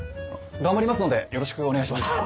頑張りますのでよろしくお願いします。